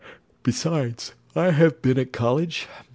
Besides, I have been at college.